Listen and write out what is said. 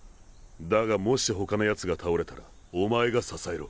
だがもし他のやつが倒れたらお前が支えろ。